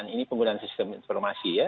ini penggunaan sistem informasi ya